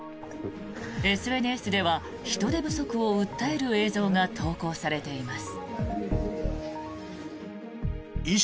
ＳＮＳでは人手不足を訴える映像が投稿されています。